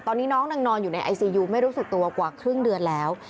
ตอนนี้น้องนางนอนอยู่ในไอซียูไม่รู้สึกตัวกว่าครึ่งเดือนแล้ว